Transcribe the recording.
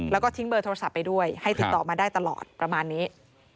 แล้วก็ทิ้งเบอร์โทรศัพท์ไปด้วยให้ติดต่อมาได้ตลอดประมาณนี้